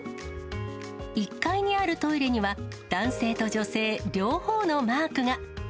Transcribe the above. １階にあるトイレには、男性と女性、両方のマークが。